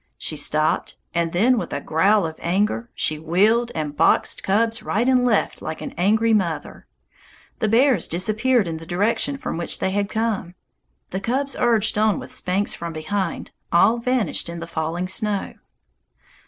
She stopped, and then, with a growl of anger, she wheeled and boxed cubs right and left like an angry mother. The bears disappeared in the direction from which they had come, the cubs urged on with spanks from behind as all vanished in the falling snow.